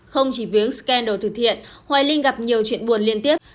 không chỉ với scandal từ thiện hoài linh gặp nhiều chuyện buồn liên tiếp